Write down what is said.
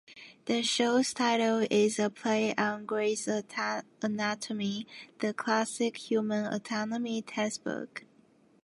The show's title is a play on "Gray's Anatomy", the classic human anatomy textbook.